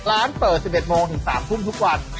ร้านเปิด๑๑โมงถึง๓ทุ่มทุกวัน